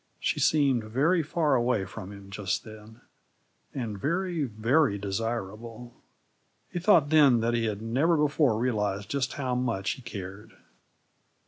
She seemed very far away from him just then and very, very desirable. He thought then that he had never before realized just how much he cared.